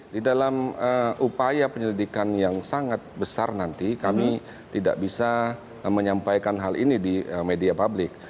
di dalam upaya penyelidikan yang sangat besar nanti kami tidak bisa menyampaikan hal ini di media publik